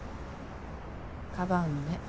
かばうのね。